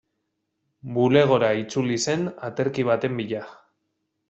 Bulegora itzuli zen aterki baten bila.